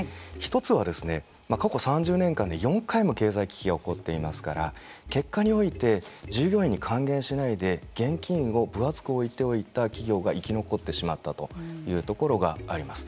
１つは過去３０年間で４回も経済危機が起こっていますから結果において従業員に還元しないで現金を分厚く置いておいた企業が生き残ってしまったというところがあります。